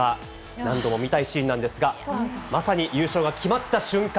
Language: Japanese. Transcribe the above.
何度も見たいシーンなんですが、まさに優勝が決まった瞬間。